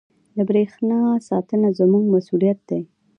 • د برېښنا ساتنه زموږ مسؤلیت دی.